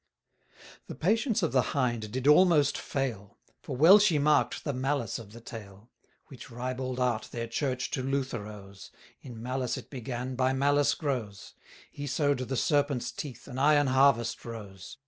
The patience of the Hind did almost fail; For well she mark'd the malice of the tale; 640 Which ribald art their Church to Luther owes; In malice it began, by malice grows; He sow'd the Serpent's teeth, an iron harvest rose.